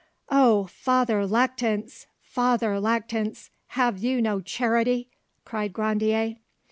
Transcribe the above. "Oh, Father Lactance! Father Lactance! have you no charity?" cried Grandier.